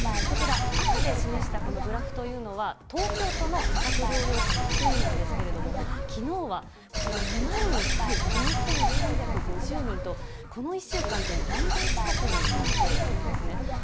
こちら、赤で示したこのグラフというのは、東京都の自宅療養者の推移なんですけれども、きのうはこちら２万４３５０人と、この１週間で４倍近くになっているんですね。